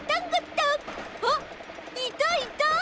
あっいたいた！